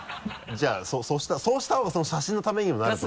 じゃあそうしたほうがその写真のためにもなると思う。